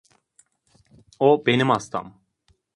O benim hastam.